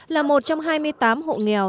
là một trăm hai mươi tám hộ nghèo